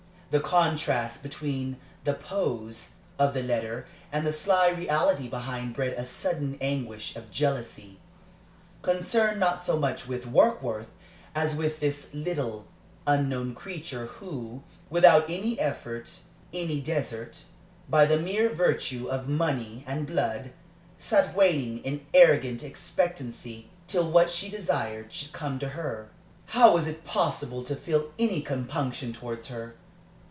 The contrast between the pose of the letter and the sly reality behind bred a sudden anguish of jealousy, concerned not so much with Warkworth as with this little, unknown creature, who, without any effort, any desert by the mere virtue of money and blood sat waiting in arrogant expectancy till what she desired should come to her. How was it possible to feel any compunction towards her?